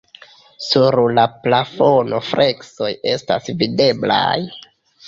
Sur la plafono freskoj estas videblaj.